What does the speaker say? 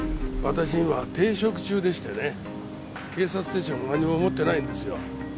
私今停職中でしてね警察手帳もなんにも持ってないんですよ。